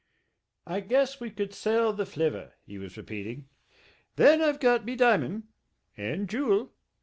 "I guess we could sell the flivver " he was repeating. "Then I've got me diamond ... and Jewel